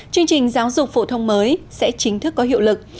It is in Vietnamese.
chương trình giáo dục phổ thông mới sẽ chính thức có hiệu lực